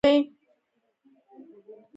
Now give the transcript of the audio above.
له هندوستان څخه د چاپ ماشین راوړل شو.